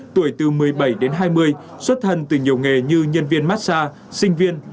tuổi từ một mươi bảy đến hai mươi xuất thân từ nhiều nghề như nhân viên massage sinh viên